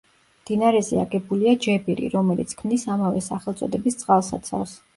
მდინარეზე აგებულია ჯებირი, რომელიც ქმნის ამავე სახელწოდების წყალსაცავს.